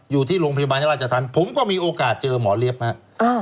อยู่ที่โรงพยาบาลราชธรรมผมก็มีโอกาสเจอหมอเลี้ยบนะครับ